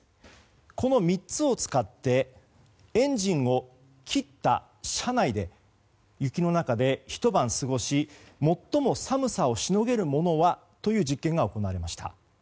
この３つを使ってエンジンを切った車内で雪の中でひと晩過ごし、最も寒さをしのげるものは？という実験が行われました。